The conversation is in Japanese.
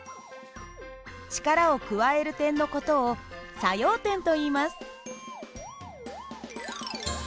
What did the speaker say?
力を加える点の事を作用点といいます。